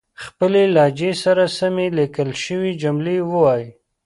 خپلې لهجې سره سمې ليکل شوې جملې وايئ